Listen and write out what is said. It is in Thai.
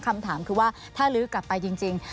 คำถามคือว่าถ้าลื้อกลับไปจริง